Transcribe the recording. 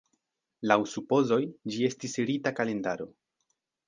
Laŭ supozoj, ĝi estis rita kalendaro.